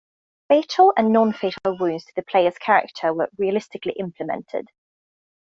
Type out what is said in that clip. Fatal and non-fatal wounds to the player's character were realistically implemented.